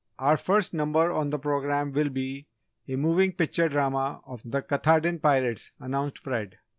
"Our first number on the programme will be A Moving Picture Drama of 'The Katahdin Pirates,'" announced Fred.